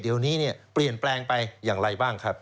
เดี๋ยวนี้เนี่ยเปลี่ยนแปลงไปอย่างไรบ้างครับ